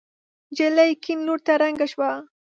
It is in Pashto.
نجلۍ کيڼ لور ته ړنګه شوه.